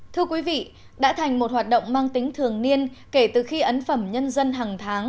thưa quý vị đã thành một hoạt động mang tính thường niên kể từ khi ấn phẩm nhân dân hàng tháng